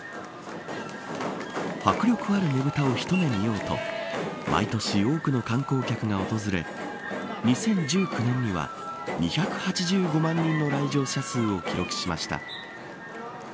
迫力あるねぶたを一目見ようと毎年多くの観光客が訪れ２０１９年には２８５万人の来場者数を記録しました。